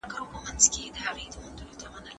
ښکاري وویل زه تا حلالومه